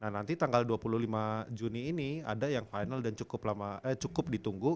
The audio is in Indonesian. nanti tanggal dua puluh lima juni ini ada yang final dan cukup ditunggu